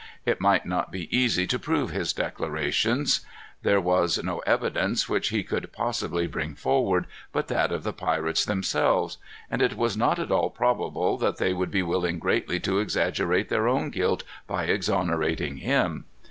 It might not be easy to prove his declarations. There was no evidence which he could possibly bring forward but that of the pirates themselves. And it was not at all probable that they would be willing greatly to exaggerate their own guilt by exonerating him.